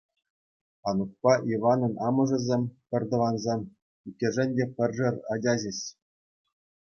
Анукпа Иванӑн амӑшӗсем — пӗртӑвансем, иккӗшӗн те пӗршер ача ҫеҫ.